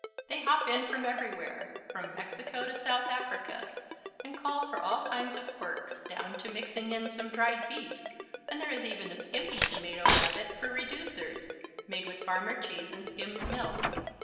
They hop in from everywhere, from Mexico to South Africa, and call for all kinds of quirks, down to mixing in some dried beef, and there is even a skimpy Tomato Rabbit for reducers, made with farmer cheese and skimmed milk.